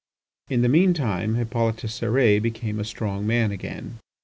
In the mean time Hippolyte Cérès became a strong man again.